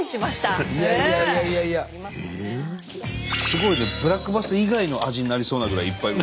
すごいねブラックバス以外の味になりそうなぐらいいっぱい。